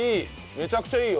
めちゃくちゃいいよ。